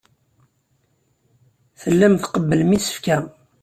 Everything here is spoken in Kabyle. Tellam tqebblem isefka.